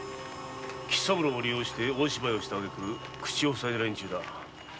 吉三郎を利用して大芝居をしたあげく口をふさいだ連中だ。